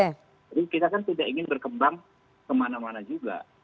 jadi kita kan tidak ingin berkembang kemana mana juga